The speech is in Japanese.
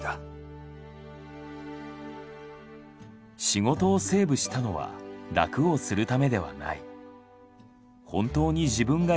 仕事をセーブしたのは楽をするためではない。